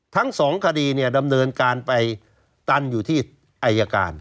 ทั้งสองคดีเนี่ยดำเนินการไปตันอยู่ที่อายการ